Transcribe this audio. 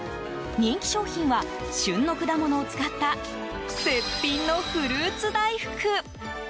人気商品は、旬の果物を使った絶品のフルーツ大福。